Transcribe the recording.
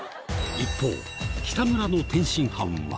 一方、北村の天津飯は。